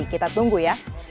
kita tunggu ya